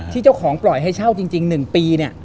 ที่เจ้าของปล่อยให้เช่าจริง๑ปีเนี่ย